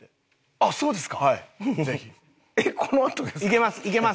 あっそうですか？